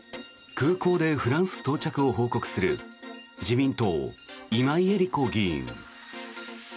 空港でフランス到着を報告する自民党、今井絵理子議員。